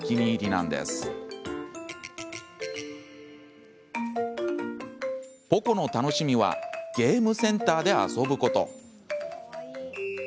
そんなポコの楽しみはゲームセンターで遊ぶこと。